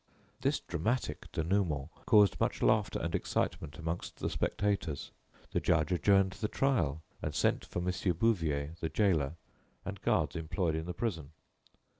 This dramatic dénouement caused much laughter and excitement amongst the spectators. The judge adjourned the trial, and sent for Mon. Bouvier, the gaoler, and guards employed in the prison.